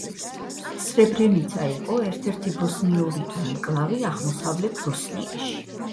სრებრენიცა იყო ერთ–ერთი ბოსნიური ანკლავი აღმოსავლეთ ბოსნიაში.